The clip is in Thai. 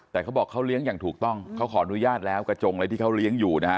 แต่เขาบอกเขาเลี้ยงอย่างถูกต้องเขาขออนุญาตแล้วกระจงอะไรที่เขาเลี้ยงอยู่นะฮะ